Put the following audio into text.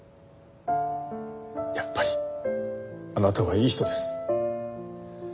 やっぱりあなたはいい人です。